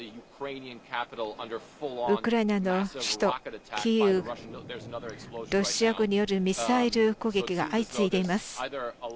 ウクライナの首都キーウロシア軍によるミサイル攻撃が相次いでいます。